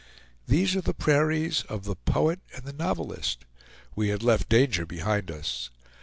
These are the prairies of the poet and the novelist. We had left danger behind us.